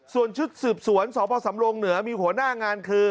ส่วนชุดสืบสวนสพสำรงเหนือมีหัวหน้างานคือ